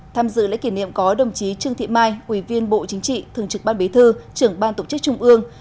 tham dự lễ kỷ niệm có đồng chí trương thị mai ủy viên bộ chính trị thường trực ban bế thư trưởng ban tổ chức trung ương